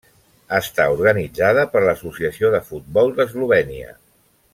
Està organitzada per l'Associació de Futbol d'Eslovènia.